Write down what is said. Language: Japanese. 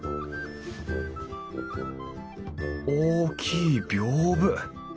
大きいびょうぶ。